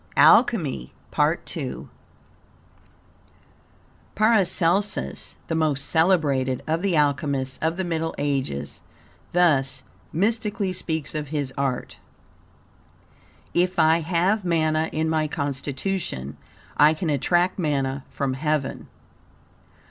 ALCHEMY PART II Paracelsus, the most celebrated of the alchemists of the Middle Ages, thus mystically speaks of his art: "If I have manna in my constitution, I can attract manna from heaven.